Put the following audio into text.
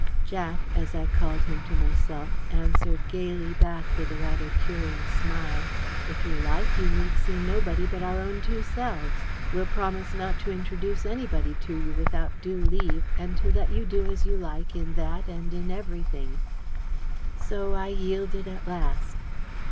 Jack, as I called him to myself, answered gaily back with a rather curious smile: "If you like, you need see nobody but our own two selves. We'll promise not to introduce anybody to you without due leave, and to let you do as you like in that and in everything." So I yielded at last.